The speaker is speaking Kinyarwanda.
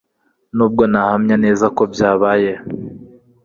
nubwo ntahamya neza ko byabaye